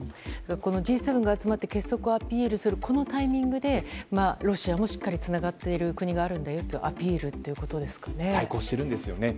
Ｇ７が集まって結束をアピールするこのタイミングでロシアもしっかりつながっている国があるんだよというアピールということですかね。